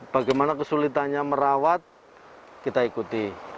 bagaimana kesulitannya merawat kita ikuti